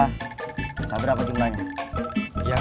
kita di blas filming apa lagi